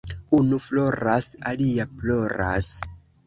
Unu floras, alia ploras.